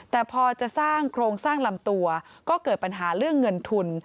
แต่พอจะสร้างโครงสร้างลำตัวก็เกิดปัญหาเรื่องเงินทุน